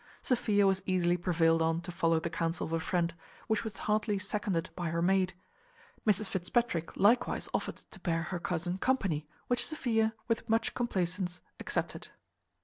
Sophia was easily prevailed on to follow the counsel of her friend, which was heartily seconded by her maid. Mrs Fitzpatrick likewise offered to bear her cousin company, which Sophia, with much complacence, accepted.